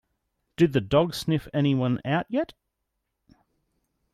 Did the dog sniff anyone out yet?